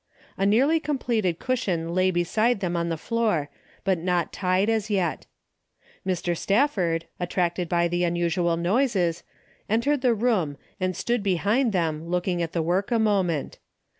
A nearly completed cushion lay beside them on the floor, but not tied as yet. Mr. Stafford, attracted by the unusual noises, entered the room and stood behind them looking at the work a moment.